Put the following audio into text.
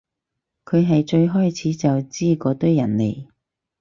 佢係最開始就知嗰堆人嚟